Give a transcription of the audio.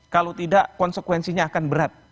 kalau tidak konsekuensinya akan berat